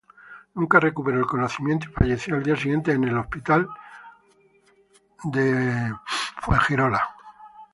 Nunca recuperó el conocimiento y falleció al día siguiente en el hospital Westminster.